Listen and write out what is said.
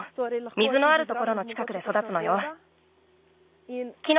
水のあるところのちかくでそだつのよ。